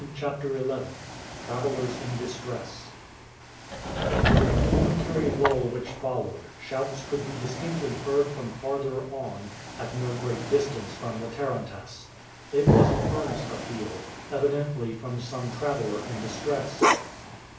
CHAPTER XI TRAVELERS IN DISTRESS DURING the momentary lull which followed, shouts could be distinctly heard from farther on, at no great distance from the tarantass. It was an earnest appeal, evidently from some traveler in distress.